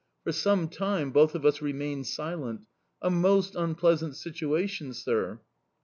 For some time both of us remained silent... A most unpleasant situation, sir!